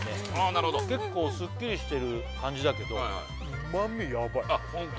なるほど結構すっきりしてる感じだけど旨みヤバいあっホント？